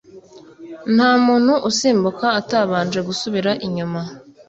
ntamuntu usimbuka atabanje gusubira inyuma